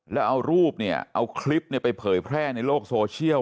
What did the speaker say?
แล้วเอารูปเนี่ยเอาคลิปไปเผยแพร่ในโลกโซเชียล